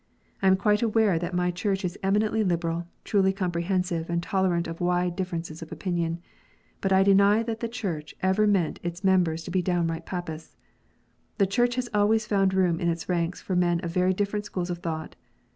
I am quite aware that my Church is eminently liberal, truly comprehensive, and tolerant of wide differences of opinion. But I deny that the Church ever meant its members to be downright Papists. The Church has always found room in its ranks for men of very different schools of thought.